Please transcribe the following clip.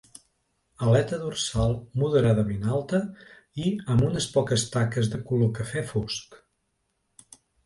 Aleta dorsal moderadament alta i amb unes poques taques de color cafè fosc.